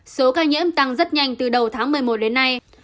số ca nhiễm tăng rất nhanh từ đầu tháng một mươi một đến nay